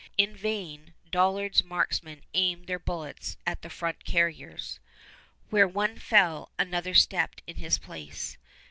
In vain Dollard's marksmen aimed their bullets at the front carriers. Where one fell another stepped in his place.